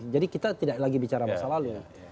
jadi kita tidak lagi bicara masa lalu